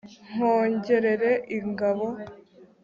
nkongerere ingabo